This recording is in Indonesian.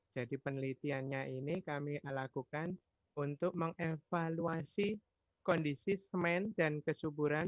jadi penelitiannya ini kami lakukan untuk mengevaluasi kondisi semen dan kesuburan